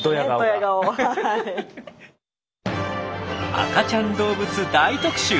赤ちゃん動物大特集。